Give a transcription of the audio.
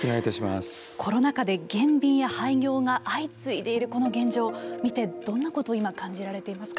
コロナ禍で減便や廃業が相次いでいる中どんなことを今感じられていますか。